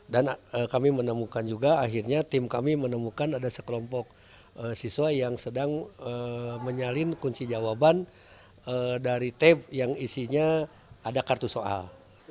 dan kami menemukan juga akhirnya tim kami menemukan ada sekelompok siswa yang sedang menyalin kunci jawaban dari tab yang isinya ada kartu soal